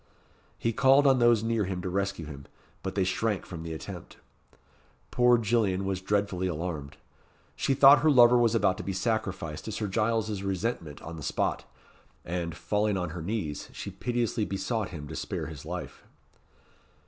He called on those near him to rescue him, but they shrank from the attempt. Poor Gillian was dreadfully alarmed. She thought her lover was about to be sacrificed to Sir Giles's resentment on the spot; and, falling on her knees, she piteously besought him to spare his life.